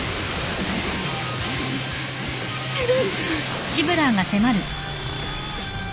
死ぬ死ぬ！